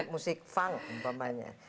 musik funk umpamanya